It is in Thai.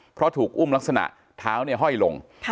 เพราะถูกอุ้มลักษณะเท้าห้อยลง